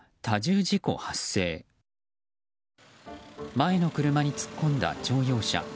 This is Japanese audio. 前の車に突っ込んだ乗用車。